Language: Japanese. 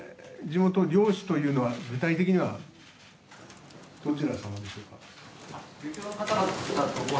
地元の漁師というのは具体的にはどちら様でしょうか？